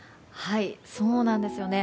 そうなんですよね。